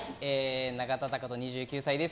永田崇人、２９歳です。